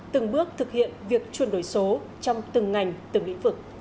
từng bước thực hiện việc chuyển đổi số trong từng ngành từng lĩnh vực